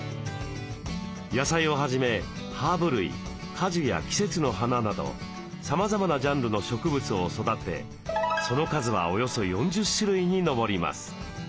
野菜をはじめハーブ類果樹や季節の花などさまざまなジャンルの植物を育てその数はおよそ４０種類に上ります。